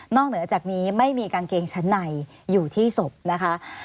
เหนือจากนี้ไม่มีกางเกงชั้นในอยู่ที่ศพนะคะ